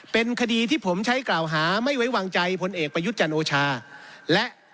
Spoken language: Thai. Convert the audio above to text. เป็นคดีที่ผมใช้กล่าวหาไม่ไว้วางใจพลเอกประยุทธ์จันทร์โอชาและ